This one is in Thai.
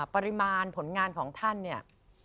ปริมาณผลงานของท่านเนี่ย